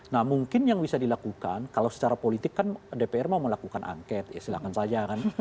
nah mungkin yang bisa dilakukan kalau secara politik kan dpr mau melakukan angket ya silahkan saja kan